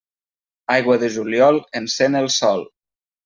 Aigua de juliol encén el sol.